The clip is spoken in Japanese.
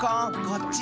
こっち！